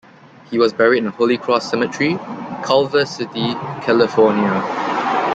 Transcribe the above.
He, was buried in Holy Cross Cemetery, Culver City, California.